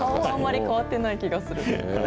あんまり変わってない気がする。